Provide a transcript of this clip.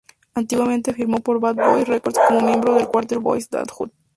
Antiguamente, firmó por Bad Boy Records como miembro del cuarteto Boyz N Da Hood.